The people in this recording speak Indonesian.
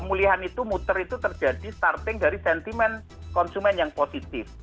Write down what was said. pemulihan itu muter itu terjadi starting dari sentimen konsumen yang positif